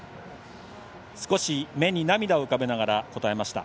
少し目に涙を浮かべながら答えました。